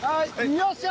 よっしゃ！